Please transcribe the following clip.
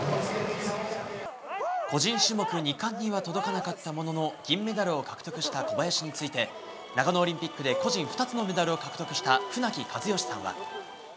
個人種目２冠には届かなかったものの、銀メダルを獲得した小林について、長野オリンピックで個人２つのメダルを獲得した船木和喜さんは。